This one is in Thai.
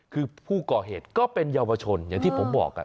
คือผู้ก่อเหตุก็เป็นเยาวชนอย่างที่ผมบอก